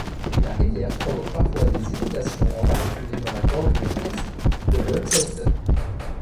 La rivière provoque parfois des inondations en particulier dans la banlieue est de Launceston.